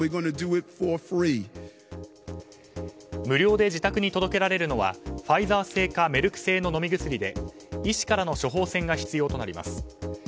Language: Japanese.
無料で自宅に届けられるのはファイザー製かメルク製の飲み薬で医師からの処方箋が必要となります。